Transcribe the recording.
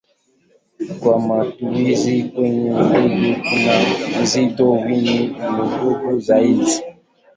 Kwa matumizi kwenye ndege kuna vipimo sanifu vidogo zaidi.